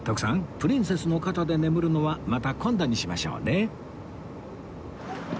プリンセスの肩で眠るのはまた今度にしましょうね